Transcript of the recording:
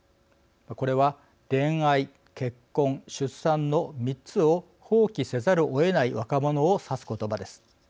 これは恋愛結婚出産の３つを放棄せざるをえない若者を指す言葉です。